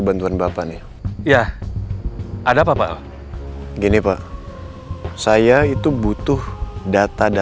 kalau kalau yang lu gak subscribing